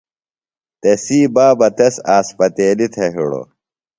تسی بابہ تس اسپتیلیۡ تھےۡ ہِڑوۡ۔